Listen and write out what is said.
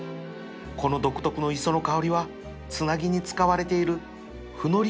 この独特の磯の香りはつなぎに使われている布海苔から来るもの